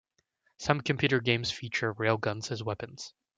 Some computer games feature railguns as weapons.